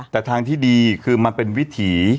แต่ทางที่ดีคือมันเป็นวิถี